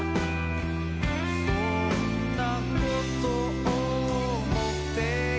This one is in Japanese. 「そんなことを思っていたんだ」